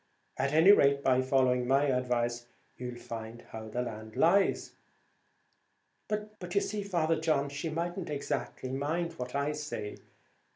At any rate, by following my advice, you'll find how the land lies." "But you see, Father John, she mightn't exactly mind what I say.